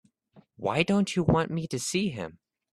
Why don't you want me to see him?